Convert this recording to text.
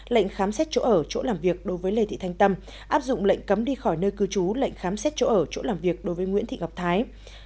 lệnh khám xét chỗ ở chỗ làm việc đối với lê thị thanh tâm áp dụng lệnh cấm đi khỏi nơi cư trú lệnh khám xét chỗ ở chỗ làm việc đối với nguyễn thị ngọc thái